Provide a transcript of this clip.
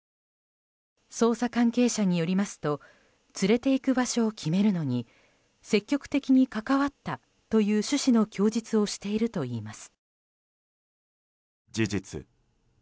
捜査関係者によりますと連れていく場所を決めるのに積極的に関わったという趣旨の供述をしているといいます。